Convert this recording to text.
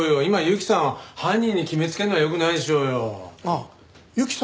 今雪さんを犯人に決めつけるのはよくないでしょうよ。